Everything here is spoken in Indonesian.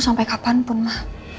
sampai kapanpun ma